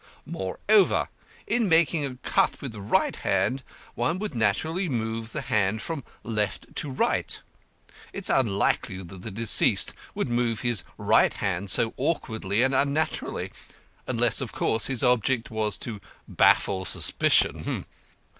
Moreover, in making a cut with the right hand, one would naturally move the hand from left to right. It is unlikely that the deceased would move his right hand so awkwardly and unnaturally, unless, of course, his object was to baffle suspicion.